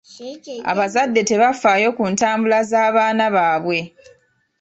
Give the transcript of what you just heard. Abazadde tebafaayo ku ntambula z'abaana baabwe.